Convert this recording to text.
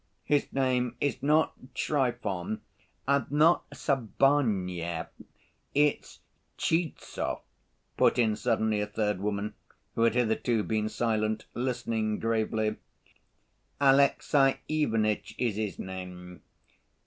"His name is not Trifon and not Sabaneyev, it's Tchizhov," put in suddenly a third woman, who had hitherto been silent, listening gravely. "Alexey Ivanitch is his name.